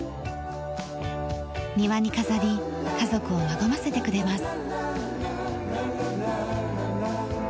庭に飾り家族を和ませてくれます。